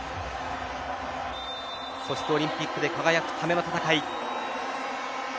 そしてオリンピックで輝くための戦い。